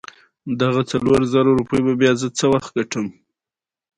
د زابل په کاکړ کې څه شی شته؟